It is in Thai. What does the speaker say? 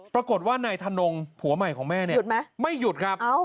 ปรากฏว่านายทนงผัวใหม่ของแม่เนี่ยหยุดไหมไม่หยุดครับ